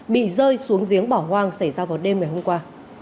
bị rơi xuống giếng bỏ hoang xảy ra vào đêm ngày hôm qua